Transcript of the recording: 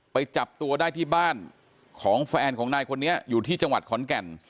ไปจับตัวได้ที่บ้านของแฟนของนายคนนี้อยู่ที่จังหวัดขอนแก่น